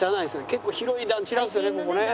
結構広い団地なんですよねここね。